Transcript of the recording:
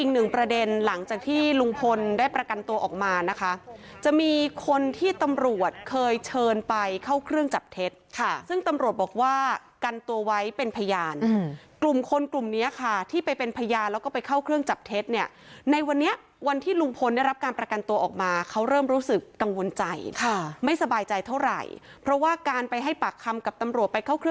หนึ่งประเด็นหลังจากที่ลุงพลได้ประกันตัวออกมานะคะจะมีคนที่ตำรวจเคยเชิญไปเข้าเครื่องจับเท็จค่ะซึ่งตำรวจบอกว่ากันตัวไว้เป็นพยานกลุ่มคนกลุ่มนี้ค่ะที่ไปเป็นพยานแล้วก็ไปเข้าเครื่องจับเท็จเนี่ยในวันนี้วันที่ลุงพลได้รับการประกันตัวออกมาเขาเริ่มรู้สึกกังวลใจค่ะไม่สบายใจเท่าไหร่เพราะว่าการไปให้ปากคำกับตำรวจไปเข้าคร